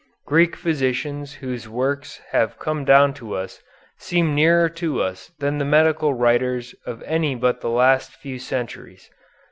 Greek physicians whose works have come down to us seem nearer to us than the medical writers of any but the last few centuries.